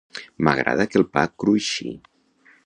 M'agrada que el pa cruixi.